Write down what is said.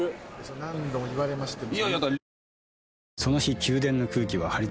何度も言われましても。